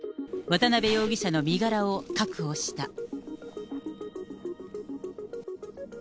渡辺容疑者の身柄を確保した。